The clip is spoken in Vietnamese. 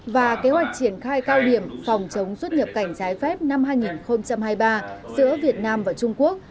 và kế hoạch triển khai cao điểm phòng chống xuất nhập cảnh trái phép năm hai nghìn hai mươi ba giữa việt nam và trung quốc